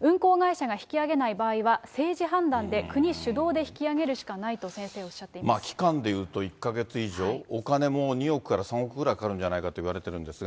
運航会社が引き揚げない場合は、政治判断で、国主導で引き揚げるしかないと、先生、期間でいうと１か月以上、お金も２億から３億ぐらいかかるんじゃないかといわれてるんです